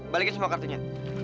balikin semua kartunya